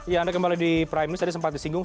ya anda kembali di prime news tadi sempat disinggung